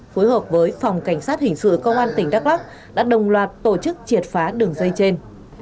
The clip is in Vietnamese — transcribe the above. phối hợp với phòng cảnh sát hình sự công an tỉnh đắk lắc đã đồng loạt tổ chức triệt phá đường dây trên